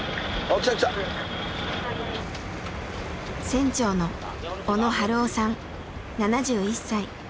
船長の小野春雄さん７１歳。